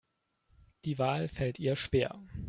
Die Wahl fällt ihr schwer.